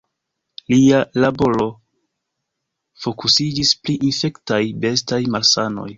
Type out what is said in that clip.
Lia laboro fokusiĝis pri infektaj bestaj malsanoj.